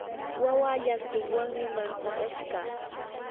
wawa llantunwanmi mantsakashqa.